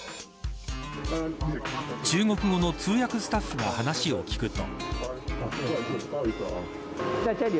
中国語の通訳スタッフが話を聞くと。